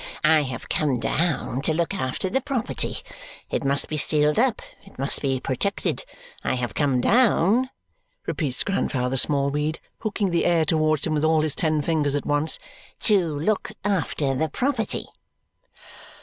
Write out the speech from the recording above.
I have come down to look after the property; it must be sealed up, it must be protected. I have come down," repeats Grandfather Smallweed, hooking the air towards him with all his ten fingers at once, "to look after the property."